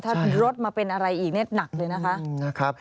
ถ้ารถมาเป็นอะไรอีกเนี่ยหนักเลยนะคะ